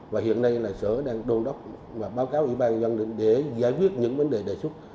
và hiện nay là sở đang đôn đốc và báo cáo ủy ban dân định để giải quyết những vấn đề đề xuất